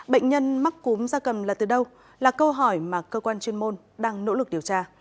bệnh nhân mắc cúm da cầm là từ đâu là câu hỏi mà cơ quan chuyên môn đang nỗ lực điều tra